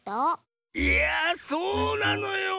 いやあそうなのよ。